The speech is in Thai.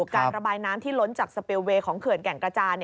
การระบายน้ำที่ล้นจากสเปลเวย์ของเขื่อนแก่งกระจาน